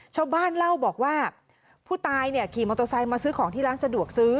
ชาวบ้านเล่าบอกว่าผู้ตายเนี่ยขี่มอเตอร์ไซค์มาซื้อของที่ร้านสะดวกซื้อ